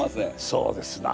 そうですな。